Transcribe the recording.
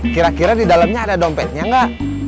kira kira didalamnya ada dompetnya enggak